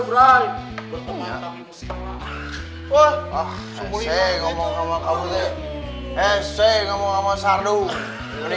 brian bantu dulu ya